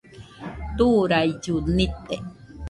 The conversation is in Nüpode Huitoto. Turaillu nite